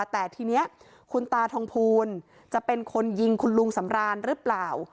แต่ทีนี้คุณตาทองภูลจะเป็นคนยิงคุณลุงสำรานหรือเปล่า